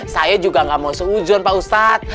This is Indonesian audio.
saya juga gak mau seujud pak ustadz